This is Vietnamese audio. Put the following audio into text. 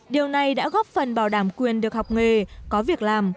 điều này đã góp phần bảo đảm quyền được học nghề có việc làm